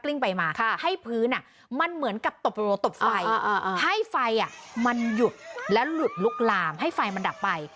ไปมาให้พื้นมันเหมือนกับตบไฟให้ไฟมันหยุดและหลุดลุกลามให้ไฟมันดับไป